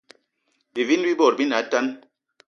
Bivini bi bot bi ne atane